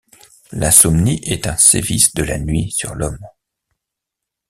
L’insomnie est un sévice de la nuit sur l’homme.